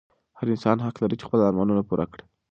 هر انسان حق لري چې خپل ارمانونه پوره کړي.